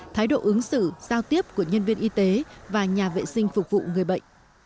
thái độ ứng xử giao tiếp của nhân viên y tế và nhà vệ sinh phục vụ người bệnh